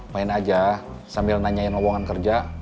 main aja sambil nanyain lowongan kerja